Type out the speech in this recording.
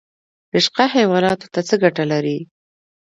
رشقه حیواناتو ته څه ګټه لري؟